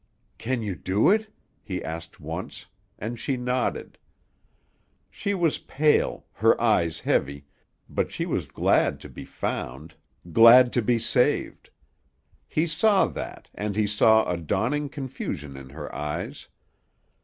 "Can you do it?" he asked once, and she nodded. She was pale, her eyes heavy, but she was glad to be found, glad to be saved. He saw that, and he saw a dawning confusion in her eyes.